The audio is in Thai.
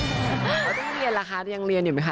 แล้วต้องเรียนล่ะคะยังเรียนอยู่ไหมค